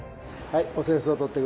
はい。